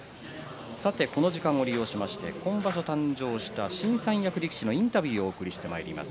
この時間を利用しまして今場所誕生しました新三役力士のインタビューをお届けしてまいります。